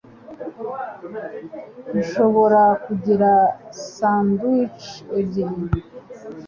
Nshobora kugira sandwiches ebyiri?